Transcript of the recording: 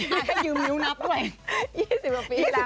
ให้ยืมมิ้วนับด้วย